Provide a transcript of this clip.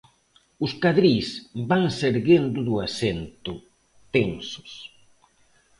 Os cadrís vanse erguendo do asento, tensos.